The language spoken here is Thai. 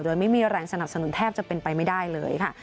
โดยไม่มีแรงสนับสนุนแทบจะเป็นไปไม่ได้เลยค่ะ